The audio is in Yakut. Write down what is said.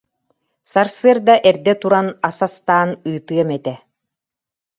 Сарсыарда эрдэ туран ас астаан ыытыам этэ